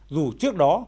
dù trước đó